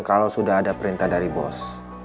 kalau sudah ada perintah dari bos